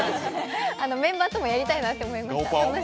メンバーともやりたいなと思いました。